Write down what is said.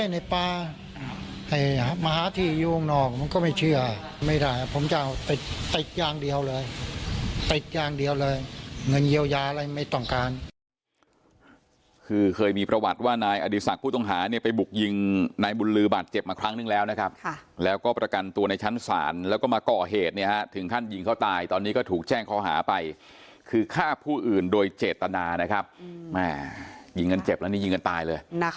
เงินเยียวยาอะไรไม่ต้องการ